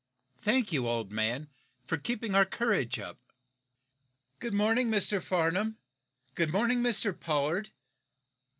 "Thank you, old man, for keeping our courage up." "Good morning, Mr. Farnum! Good Morning Mr. Pollard!"